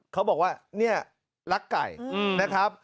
เขาบอกว่าเนี่ยรักไก่นะครับ